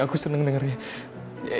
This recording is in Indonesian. aku seneng dengernya